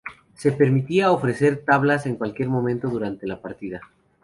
Se permitía ofrecer tablas en cualquier momento durante la partida.